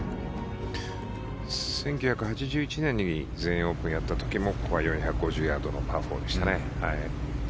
１９８１年に全英オープンをやった時もここは４５０ヤードのパー４でしたね。